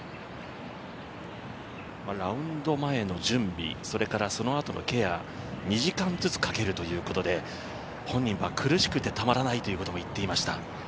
ラウンド前の準備そのあとのケア２時間ずつかけるということで本人は苦しくてたまらないということも言っていました。